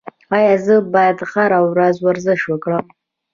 ایا زه باید هره ورځ ورزش وکړم؟